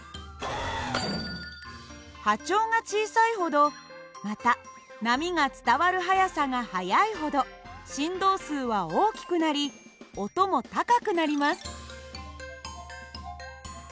波長が小さいほどまた波が伝わる速さが速いほど振動数は大きくなり音も高くなります。